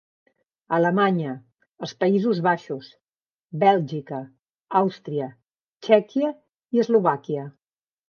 Alemanya, els Països Baixos, Bèlgica, Àustria, Txèquia i Eslovàquia.